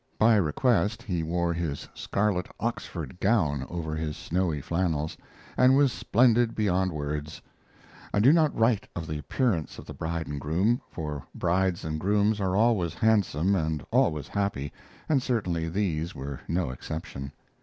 By request he wore his scarlet Oxford gown over his snowy flannels, and was splendid beyond words. I do not write of the appearance of the bride and groom, for brides and grooms are always handsome and always happy, and certainly these were no exception.